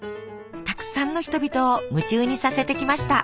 たくさんの人々を夢中にさせてきました。